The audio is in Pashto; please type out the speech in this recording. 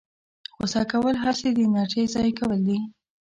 غوسه کول هسې د انرژۍ ضایع کول دي.